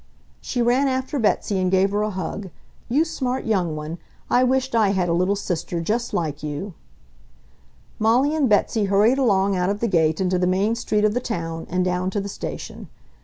—she ran after Betsy and gave her a hug—"you smart young one, I wish't I had a little sister just like you!" Molly and Betsy hurried along out of the gate into the main street of the town and down to the station.